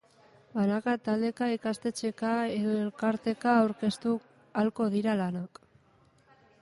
Banaka, taldeka, ikastetxeka edo elkarteka aurkeztuko ahalko dira lanak.